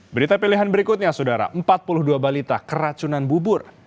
berita pilihan berikutnya saudara empat puluh dua balita keracunan bubur